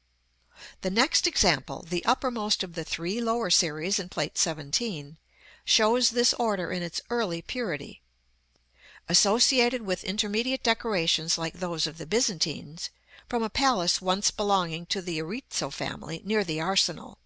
§ XL. The next example, the uppermost of the three lower series in Plate XVII., shows this order in its early purity; associated with intermediate decorations like those of the Byzantines, from a palace once belonging to the Erizzo family, near the Arsenal.